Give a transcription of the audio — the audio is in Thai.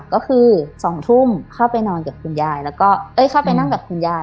ก็คือ๒ทุ่มเข้าไปนอนกับคุณยายแล้วก็เอ้ยเข้าไปนั่งกับคุณยาย